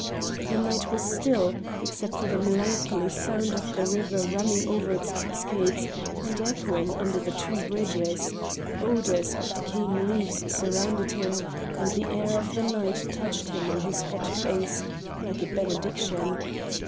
The night was still, except for the melancholy sound of the river running over its cascades and echoing under the two bridges; odours of decaying leaves surrounded him, and the air of the night touched him on his hot face like a benediction.